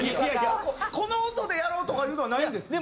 この音でやろうとかいうのはないんですか？